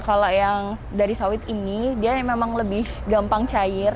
kalau yang dari sawit ini dia memang lebih gampang cair